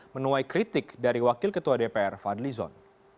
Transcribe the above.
menuai kritik dari wakil ketua dpr fadlizon